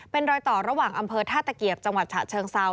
เป็นรอยต่อระหว่างอำเภอท่าตะเกียบจังหวัดฉะเชิงเซา